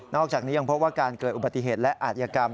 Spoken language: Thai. อกจากนี้ยังพบว่าการเกิดอุบัติเหตุและอาจยกรรม